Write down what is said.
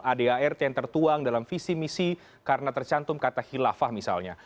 adart yang tertuang dalam visi misi karena tercantum kata hilafah misalnya